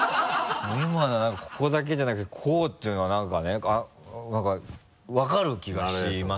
今のは何かここだけじゃなくてこうっていうのはなんかね分かる気がしますね。